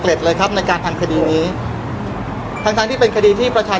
พี่แจงในประเด็นที่เกี่ยวข้องกับความผิดที่ถูกเกาหา